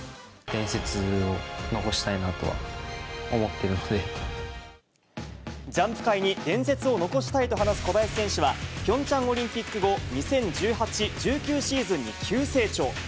伝説を残したいなとは思ってジャンプ界に伝説を残したいと話す小林選手は、ピョンチャンオリンピック後、２０１８・１９シーズンに急成長。